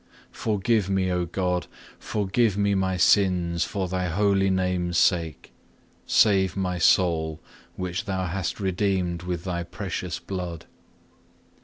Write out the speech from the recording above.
Forgive, O God, forgive me my sins for Thy holy Name's sake; save my soul, which Thou hast redeemed with Thy precious blood.